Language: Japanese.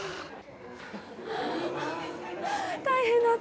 大変だった。